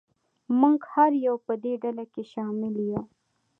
موږ هر یو په دې ډله کې شامل یو.